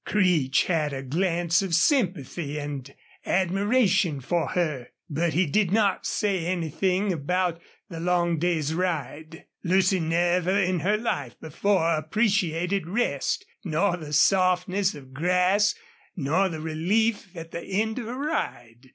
Creech had a glance of sympathy and admiration for her, but he did not say anything about the long day's ride. Lucy never in her life before appreciated rest nor the softness of grass nor the relief at the end of a ride.